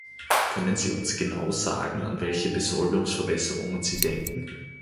Können Sie uns genau sagen, an welche Besoldungsverbesserungen Sie denken?